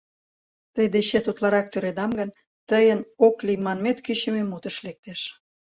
Тый дечет утларак тӱредам гын, тыйын «ок лий» манмет кӱчымӧ мутыш лектеш.